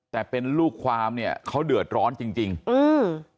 แต่เป็นลูกความเนี้ยเขาเดือดร้อนจริงจริงอืม